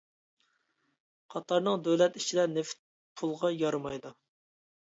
قاتارنىڭ دۆلەت ئىچىدە نېفىت پۇلغا يارىمايدۇ.